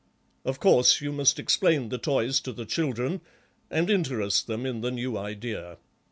Of course you must explain the toys to the children and interest them in the new idea.